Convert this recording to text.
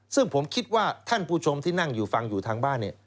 ซึ่งผมคิดว่าท่านผู้ชมที่นั่งอยู่ฟังอยู่ทางบ้านเนี่ย